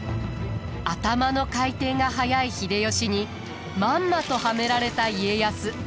頭の回転が速い秀吉にまんまとはめられた家康。